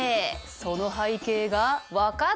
その背景が分かったりして！